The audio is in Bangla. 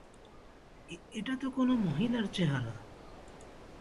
এটা তো কোনো মহিলার চেহারা।